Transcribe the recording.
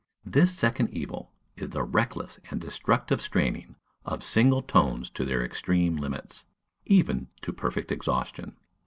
This second evil is the reckless and destructive straining of single tones to their extreme limits, even to perfect exhaustion.